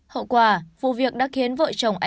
hậu quả vụ việc đã khiến vợ chồng anh